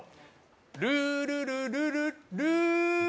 ルールルルルッルー